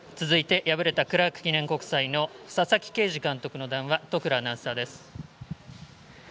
続いて敗れたクラーク記念国際の佐々木啓司監督の談話都倉アナウンサーです。